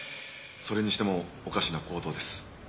それにしてもおかしな行動です。